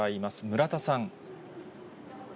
村田さん。